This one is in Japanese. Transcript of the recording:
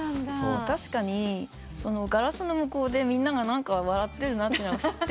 確かにガラスの向こうでみんなが何か笑ってるなって知ってたんですけど。